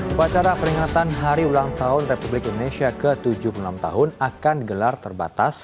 upacara peringatan hari ulang tahun republik indonesia ke tujuh puluh enam tahun akan digelar terbatas